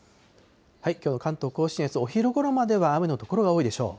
きょうは関東甲信越、お昼ごろまでは雨の所が多いでしょう。